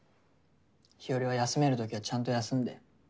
日和は休めるときはちゃんと休んで。